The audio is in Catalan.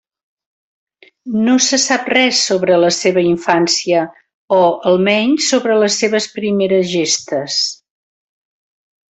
No se sap res sobre la seva infància o, almenys, sobre les seves primeres gestes.